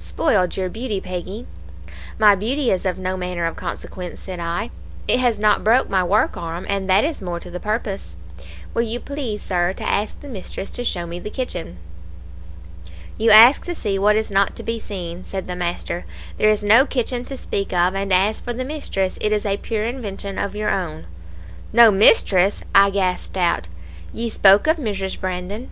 Spoiled your beauty, Peggy.' "'My beauty is of no manner of consequence,' said I, 'it has not broke my work arm, and that is more to the purpose. Will you please, Sir, to ask the mistress to show me the kitchen?' "'You ask to see what is not to be seen,' said the master. 'There is no kitchen to speak of, and as for the mistress, it is a pure invention of your own.' "'No mistress?' I gasped out; 'ye spoke of Mrs. Brandon.'